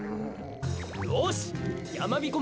よしやまびこ